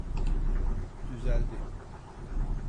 Düzeldi